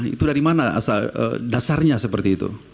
itu dari mana dasarnya seperti itu